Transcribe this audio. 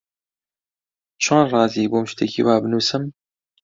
چۆن ڕازی بووم شتێکی وا بنووسم؟